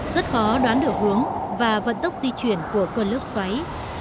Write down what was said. rất khó đoán được hướng và vận tốc di chuyển của cơn lốc xoáy